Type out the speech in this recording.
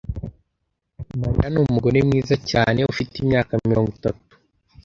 Mariya numugore mwiza cyane ufite imyaka mirongo itatu.